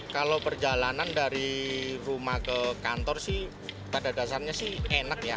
kalau perjalanan dari rumah ke kantor sih pada dasarnya sih enak ya